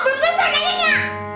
belum selesai nanya nya